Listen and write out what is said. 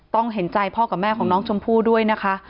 เห็นใจพ่อกับแม่ของน้องชมพู่ด้วยนะคะ